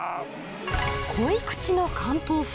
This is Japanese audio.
こい口の関東風